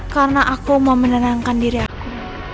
karena aku mau menenangkan diri aku